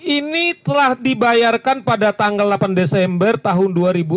ini telah dibayarkan pada tanggal delapan desember tahun dua ribu enam belas